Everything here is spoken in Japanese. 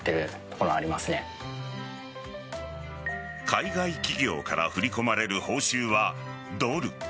海外企業から振り込まれる報酬はドル。